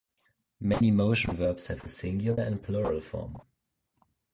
Many motion verbs have a singular and plural form.